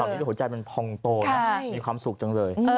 ตอนนี้หัวใจมันพองโตนะมีความสุขจังเลย